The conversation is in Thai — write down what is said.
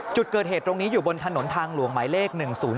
จุดเกิดเหตุตรงนี้อยู่บนถนนทางหลวงหมายเลข๑๐๒